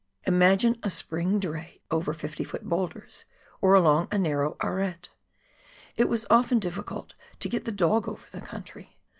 " Imagine a spring dray over 50 foot boulders or along a narrow arete ! It was often difficult to get the dog over the country.